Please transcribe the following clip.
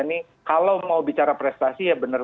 enggan sebagai tempur oster